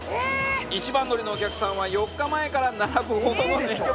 一番乗りのお客さんは４日前から並ぶほどの熱狂ぶり